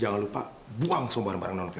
jangan lupa buang semua barang barang anak cleo